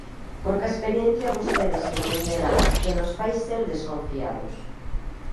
Porque a experiencia vostedes entenderán que nos fai ser desconfiados.